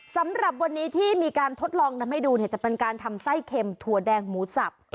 สำหรับวันนี้ที่มีการทดลองทำให้ดูเนี่ยจะเป็นการทำไส้เค็มถั่วแดงหมูสับ